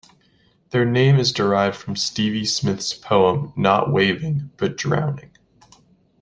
Their name is derived from Stevie Smith's poem "Not Waving but Drowning".